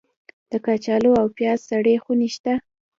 د کچالو او پیاز سړې خونې شته؟